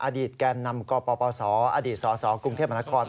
อดีตแกนนำกปสอดีตสสกรุงเทพนคร